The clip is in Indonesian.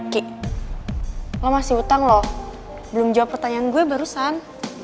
ki lo masih utang loh belum jawab pertanyaan gue barusan